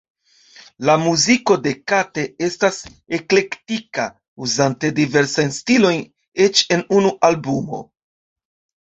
La muziko de Kate estas eklektika, uzante diversajn stilojn eĉ en unu albumo.